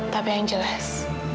tapi yang jelas